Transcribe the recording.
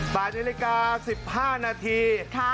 บานนึงอาจารย์ค่ะเปิดละหว่าง๑๕นาที